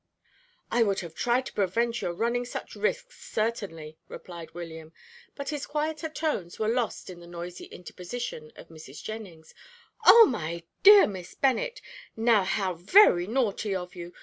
"I would have tried to prevent your running such risks, certainly," replied William, but his quieter tones were lost in the noisy interposition of Mrs. Jennings. "Oh, my dear Miss Bennet, now how very naughty of you!